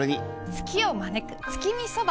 ツキを招く月見そば！